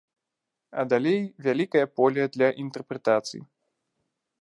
А далей вялікае поле для інтэрпрэтацый.